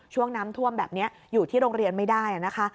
ช่วงน้ำท่วมแบบนี้อยู่ที่โรงเรียนไม่ได้นะคะ